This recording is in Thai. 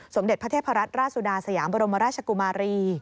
สมเด็จพระเทพรัตนราชสุดาสยามบรมราชกุมารี